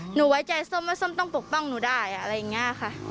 ไว้ใจส้มว่าส้มต้องปกป้องหนูได้อะไรอย่างนี้ค่ะ